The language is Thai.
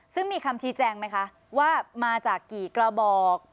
ซึ่งมีคำชี้แจงไหมคะว่ามาจากกี่กระบอก